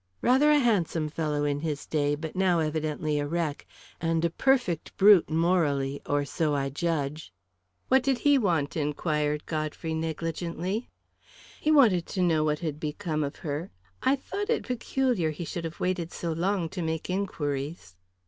"Rather a handsome fellow in his day, but now evidently a wreck and a perfect brute morally or so I judge." "What did he want?" inquired Godfrey negligently. "He wanted to know what had become of her. I thought it peculiar he should have waited so long to make inquiries."